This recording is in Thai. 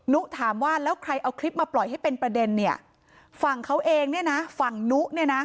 นุถามว่าแล้วใครเอาคลิปมาปล่อยให้เป็นประเด็นเนี่ยฝั่งเขาเองเนี่ยนะฝั่งนุเนี่ยนะ